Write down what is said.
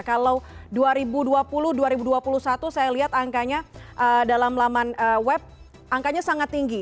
kalau dua ribu dua puluh dua ribu dua puluh satu saya lihat angkanya dalam laman web angkanya sangat tinggi